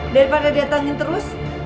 daripada diatangin terus